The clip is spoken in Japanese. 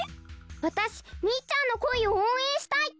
わたしみっちゃんの恋をおうえんしたい！